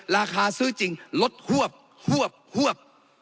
ราคาซื้อจริงลดหวบฮวบฮวบ